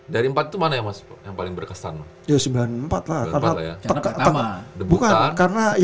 dari empat itu mana ya mas yang paling berkesan